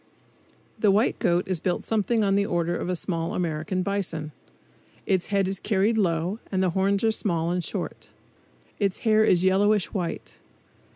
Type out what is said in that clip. The white goat is built something on the order of a small American bison. Its head is carried low and the horns are small and short. Its hair is yellowish white.